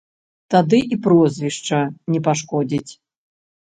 Тады і прозвішча не пашкодзіць.